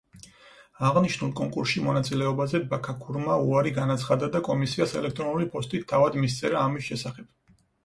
აღნიშნულ კონკურსში მონაწილეობაზე ბაქაქურმა უარი განაცხადა და კომისიას ელექტრონული ფოსტით თავად მისწერა ამის შესახებ.